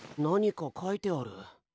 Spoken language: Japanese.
何か書いてある。